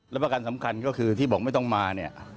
รับประกันสำคัญก็คือที่บอกไม่ต้องมา